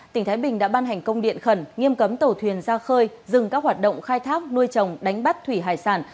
tỉnh thái bình đã ban hành công điện khẩn nghiêm cấm tàu thuyền ra khơi dừng các hoạt động khai thác nuôi trồng đánh bắt thủy hải sản